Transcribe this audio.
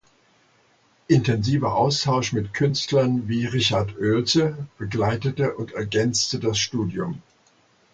Intensiver Austausch mit Künstlern wie Richard Oelze begleitete und ergänzte das Studium.